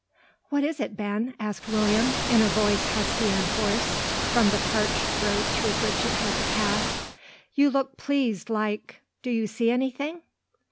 "What is it, Ben?" asked William, in a voice husky and hoarse, from the parched throat through which it had to pass. "You look pleased like; do you see anything?"